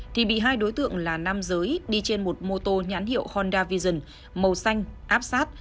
thì bị hai đối tượng là nam giới đi trên một mô tô nhãn hiệu honda vision màu xanh áp sát